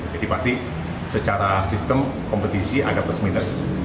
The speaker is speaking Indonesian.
jadi pasti secara sistem kompetisi agak plus minus